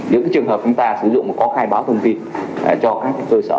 những trường hợp chúng ta sử dụng có khai báo thông tin cho các cơ sở